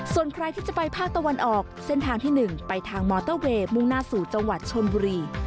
ส่วนใครที่จะไปภาคตะวันออกเส้นทางที่๑ไปทางมอเตอร์เวย์มุ่งหน้าสู่จังหวัดชนบุรี